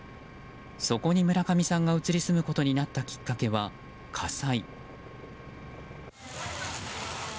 そこに村上さんが移り住むことになったきっかけは火災。